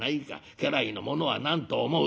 家来の者は何と思う？